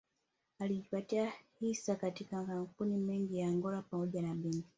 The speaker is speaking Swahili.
Alijipatia hisa katika makampuni mengi ya Angola pamoja na benki